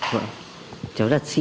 vâng cháu đặt ship